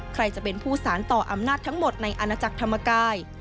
ใครจะเป็นผู้สารต่ออำนาจทั้งหมดในอาณาจักรธรรมกาย